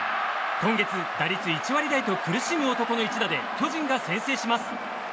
今月、打率１割台と苦しむ男の一打で巨人が先制します。